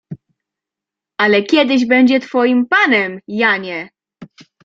Ale kiedyś będzie twoim panem, Janie!